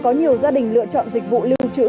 có nhiều gia đình lựa chọn dịch vụ lưu trữ